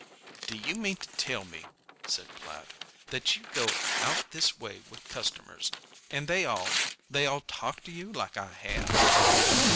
"Do you mean to tell me," said Platt, "that you go out this way with customers, and they all—they all talk to you like I have?"